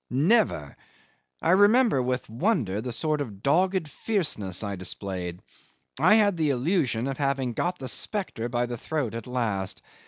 Never! I remember with wonder the sort of dogged fierceness I displayed. I had the illusion of having got the spectre by the throat at last.